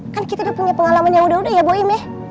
kan kita udah punya pengalaman yang udah udah ya bu im ya